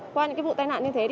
qua những vụ tai nạn như thế